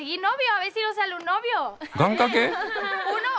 願かけ？